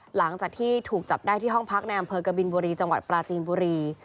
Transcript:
หลังจากที่ถูกจับได้ที่ห้องพักในอำเภอกบินบุรีจังหวัดปราจีนบุรี